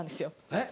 えっ？